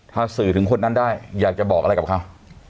ถ้าสื่อถึงคนนั้นได้อยากจะบอกอะไรกับเขา